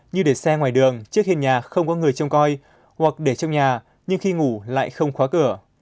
như để xe ngoài đường trước hiên nhà không có người trông coi hoặc để trong nhà nhưng khi ngủ lại không khóa cửa